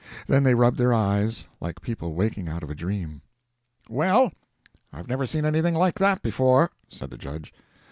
Then they rubbed their eyes like people waking out of a dream. "Well, I've never seen anything like that before!" said the judge.